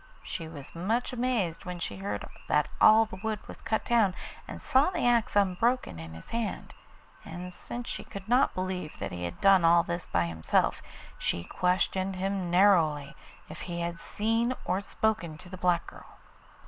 She was much amazed when she heard that all the wood was cut down, and saw the axe unbroken in his hand, and since she could not believe that he had done all this by himself, she questioned him narrowly if he had seen or spoken to the black girl.